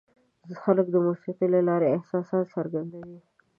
خلک د موسیقۍ له لارې احساسات څرګندوي.